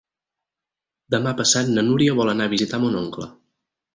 Demà passat na Núria vol anar a visitar mon oncle.